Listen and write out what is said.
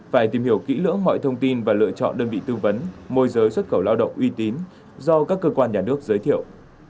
phải tìm hiểu kỹ lưỡng mọi thông tin và lựa chọn đơn vị tư vấn môi giới xuất khẩu lao động uy tín do các cơ quan nhà nước giới thiệu